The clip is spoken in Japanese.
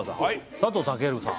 佐藤健さん